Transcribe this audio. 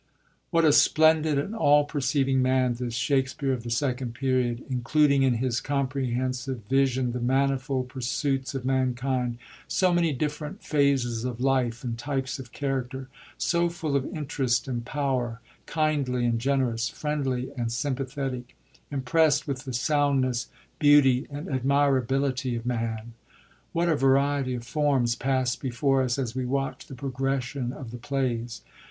What a splendid and all perceiving man, this Shakspere of the Second Period, including in his com prehensive vision the manifold pursuits of mankind, so many different phases of life and types of character ; so full of interest and power ; kindly and generous, friendly and sympathetic ; imprest with the soundness, beauty And admirability of man I What a variety of forms pass before us as we watch the progression of the plays